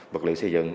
vật liệu xây dựng